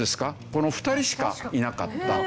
この２人しかいなかった。